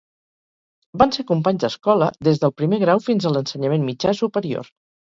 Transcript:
Van ser companys d'escola des del primer grau fins a l'ensenyament mitjà superior.